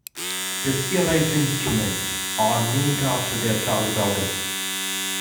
Specialized instruments are named after their target organ.